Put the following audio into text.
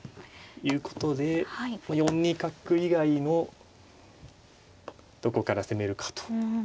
いうことで４二角以外のどこから攻めるかと。